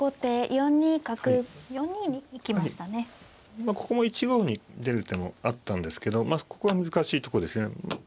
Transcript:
まあここも１五に出る手もあったんですけどここは難しいとこですね。